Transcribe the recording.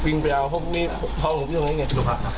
หลบกินไปเอาพอมีพองี่ตอนเนี้ยอ่ะ